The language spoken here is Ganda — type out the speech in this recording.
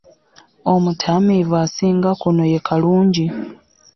Omutamiivu asinga kuno ye Kalungi.